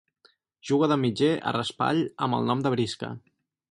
Juga de mitger a raspall amb el nom de Brisca.